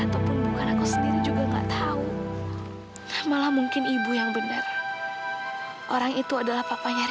sampai jumpa di video selanjutnya